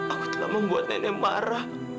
aku telah membuat nenek marah